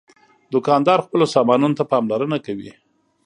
دوکاندار خپلو سامانونو ته پاملرنه کوي.